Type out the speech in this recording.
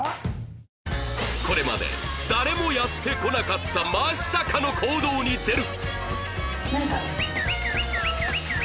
これまで誰もやってこなかったまさかの行動に出る！